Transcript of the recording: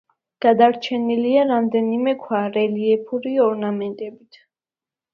გადარჩენილია რამდენიმე ქვა რელიეფური ორნამენტით.